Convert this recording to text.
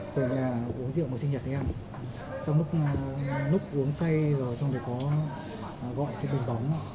từ nhà uống rượu một sinh nhật đi ăn sau lúc uống say rồi xong rồi có gọi cái bình bóng